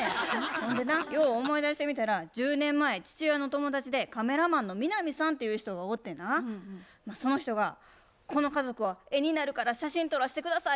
ほんでなよう思い出してみたら１０年前父親の友達でカメラマンの南さんっていう人がおってなその人が「この家族は絵になるから写真撮らして下さい」